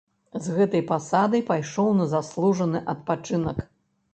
З гэтай пасады пайшоў на заслужаны адпачынак.